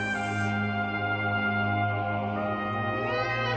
うん！